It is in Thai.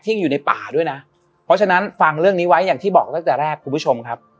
อยู่ในป่าด้วยนะเพราะฉะนั้นฟังเรื่องนี้ไว้อย่างที่บอกตั้งแต่แรกคุณผู้ชมครับ